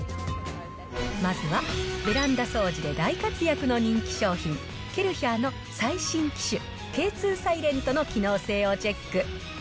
まずはベランダ掃除で大活躍の人気商品、ケルヒャーの最新機種、Ｋ２サイレントの機能性をチェック。